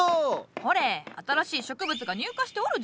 ほれ新しい植物が入荷しておるじゃろ？